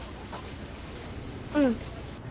うん。